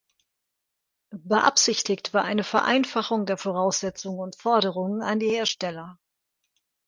Beabsichtigt war eine Vereinfachung der Voraussetzungen und Forderungen an die Hersteller.